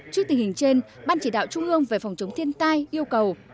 trước tình hình trên ban chỉ đạo trung ương về phòng chống thiên tai yêu cầu